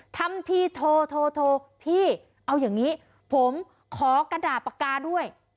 ทำทีโทรพี่เอาอย่างนี้ผมขอกระดาษปากกาด้วย